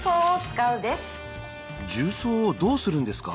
重曹をどうするんですか？